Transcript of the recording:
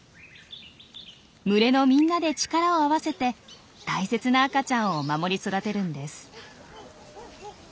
群れのみんなで力を合わせて大切な赤ちゃんを守り育てるんです。